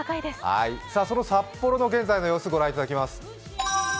その札幌の現在の様子、御覧いただきます。